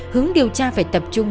hướng điều tra phải tập trung